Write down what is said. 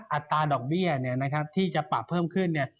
อัตราดอกเบี้ยที่จะปลับเพิ่มขึ้น